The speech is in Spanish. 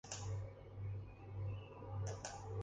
Duque de Atri y príncipe de Teramo, en el reino de Nápoles.